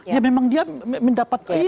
ya memang dia mendapatkan ini